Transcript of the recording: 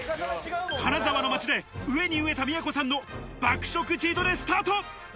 金沢の街で飢えに飢えた都さんの爆食チートデイ、スタート。